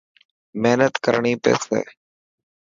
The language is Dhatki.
مهنت ڪرڻي پيي.